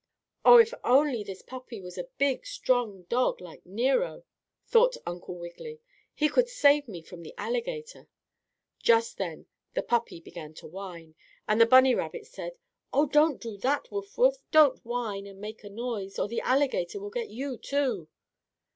"Oh, if only this puppy was a big, strong dog, like Nero!" thought Uncle Wiggily, "he could save me from the alligator." Just then the puppy began to whine, and the bunny rabbit said: "Oh, don't do that, Wuff Wuff! Don't whine, and make a noise, or the alligator will get you, too."